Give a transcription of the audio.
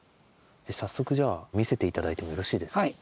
早速じゃあ見せて頂いてもよろしいですか？